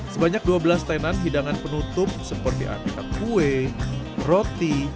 sebanyak dua belas tenan hidangan penutup seperti aneka kue roti